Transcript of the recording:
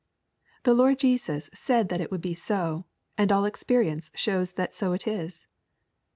The Lord Jesus said that it would be so, and all experience shows that so it is.